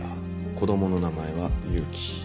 子供の名前は勇気。